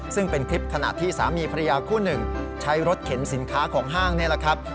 ซึ่งเป็นคลิปขณะที่สามีภรรยาคู่หนึ่งใช้รถเข็นสินค้าของห้างนี่แหละครับ